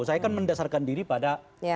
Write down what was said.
saya kan mendasarkan diri pada